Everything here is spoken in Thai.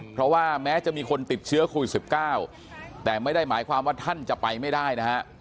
เพราะว่าแม้จะมีคนติดเชื้อโควิด๑๙แต่ไม่ได้หมายความว่าท่านจะไปไม่ได้นะฮะ